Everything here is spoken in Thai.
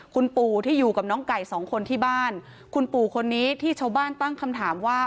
คุณปู่ที่อยู่กับน้องไก่สองคนที่บ้านคุณปู่คนนี้ที่ชาวบ้านตั้งคำถามว่า